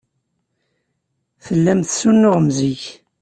Tellam tessunuɣem zik.